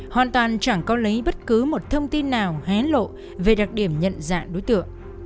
hoàn toàn chẳng có lấy bất cứ một thông tin nào hé lộ về đặc điểm nhận dạng đối tượng